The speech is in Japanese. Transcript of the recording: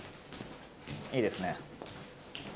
いいですね。